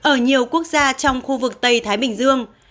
ở nhiều quốc gia trong khu vực tây thái bình dương